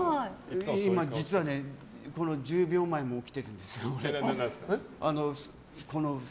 今、実はこの１０秒前にも起きてるんですよ。